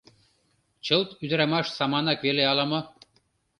Чылт ӱдырамаш саманак веле ала-мо?